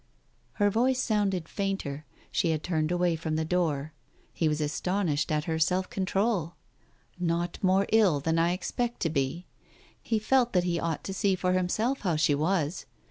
Her voice sounded fainter, she had turned away from the door. He was astonished at her self control — "not more ill than I expect to be !" He felt that he ought to see for himself how she was.